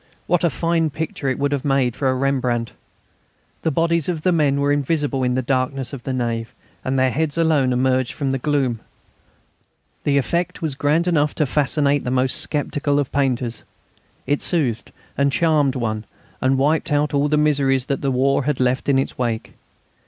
What a fine picture it would have made for a Rembrandt! The bodies of the men were invisible in the darkness of the nave, and their heads alone emerged from the gloom. The effect was grand enough to fascinate the most sceptical of painters; it soothed and charmed one and wiped out all the miseries that the war had left in its wake.